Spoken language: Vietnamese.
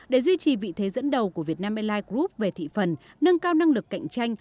để duy trì vị thế dẫn đầu của việt nam airlines group về thị phần nâng cao năng lực cạnh tranh